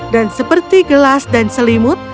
dan seperti gelas dan selimut